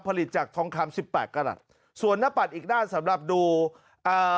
ผลิตจากทองคำสิบแปดกระหลัดส่วนหน้าปัดอีกด้านสำหรับดูอ่า